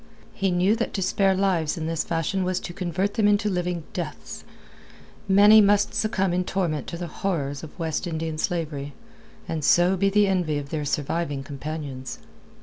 He knew that to spare lives in this fashion was to convert them into living deaths. Many must succumb in torment to the horrors of West Indian slavery, and so be the envy of their surviving companions.